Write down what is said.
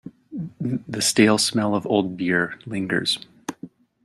The stale smell of old beer lingers.